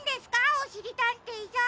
おしりたんていさん。